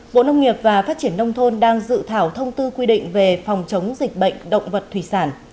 bộ nông nghiệp và phát triển nông thôn đang dự thảo thông tư quy định về phòng chống dịch bệnh động vật thủy sản